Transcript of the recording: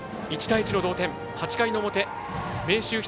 １対１の同点、８回の表明秀